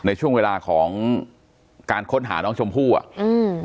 ในช่วงเวลาของการค้นหาน้องชมพู่อ่ะอืม